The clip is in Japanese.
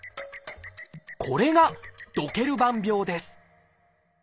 これが「ドケルバン病」です。